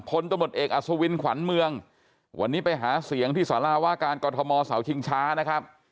ตมตเอกอัศวินขวัญเมืองวันนี้ไปหาเสียงที่สาราว่าการกรทมเสาชิงช้านะครับ